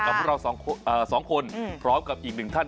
พวกเราสองคนพร้อมกับอีกหนึ่งท่าน